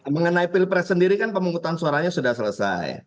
mengenai pilpres sendiri kan pemungutan suaranya sudah selesai